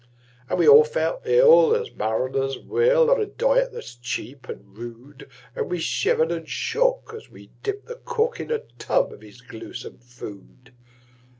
And we all felt ill as mariners will, On a diet that's cheap and rude; And we shivered and shook as we dipped the cook In a tub of his gluesome food.